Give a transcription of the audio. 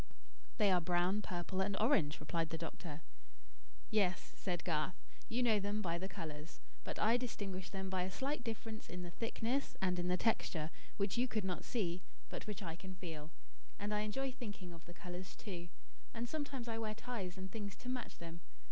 "They are brown, purple, and orange," replied the doctor. "Yes," said Garth. "You know them by the colours, but I distinguish them by a slight difference in the thickness and in the texture, which you could not see, but which I can feel. And I enjoy thinking of the colours, too. And sometimes I wear ties and things to match them.